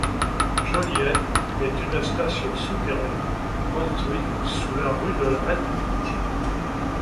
Joliette est une station souterraine, construite sous la rue de la République.